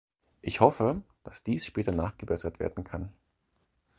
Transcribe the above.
Ich hoffe, dass dies später nachgebessert werden kann.